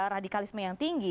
radikalisme yang tinggi